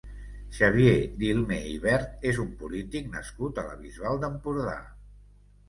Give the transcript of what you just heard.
Xavier Dilmé i Vert és un polític nascut a la Bisbal d'Empordà.